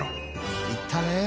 「行ったね」